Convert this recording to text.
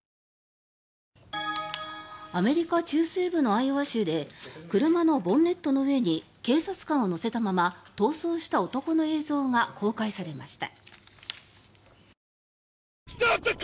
アメリカ中西部のアイオワ州で車のボンネットの上に警察官を乗せたまま逃走した男の映像が公開されました。